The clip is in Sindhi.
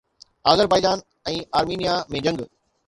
آذربائيجان ۽ آرمينيا ۾ جنگ